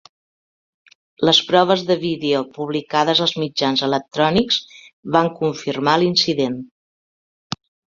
Les proves de vídeo publicades als mitjans electrònics van confirmar l'incident.